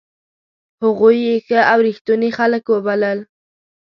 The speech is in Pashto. هغوی یې ښه او ریښتوني خلک وبلل.